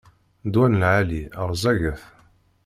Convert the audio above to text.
Ddwa n lɛali rẓaget.